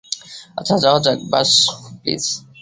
আচ্ছা, যাওয়া যাক, বাস, প্লিজ?